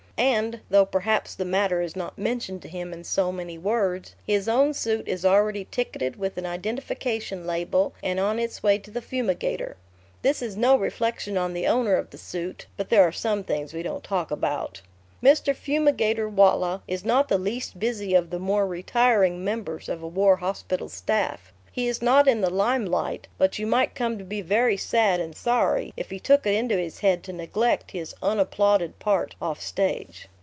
And (though perhaps the matter is not mentioned to him in so many words) his own suit is already ticketed with an identification label and on its way to the fumigator. This is no reflection on the owner of the suit ... but there are some things we don't talk about. Mr. Fumigator Wallah is not the least busy of the more retiring members of a war hospital staff. He is not in the limelight; but you might come to be very sad and sorry if he took it into his head to neglect his unapplauded part off stage.